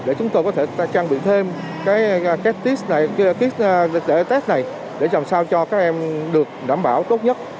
để chúng tôi có thể trang bị thêm cái test này để làm sao cho các em được đảm bảo tốt nhất